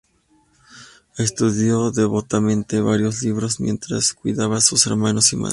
Estudió devotamente varios libros, mientras cuidaba de sus hermanos y madre.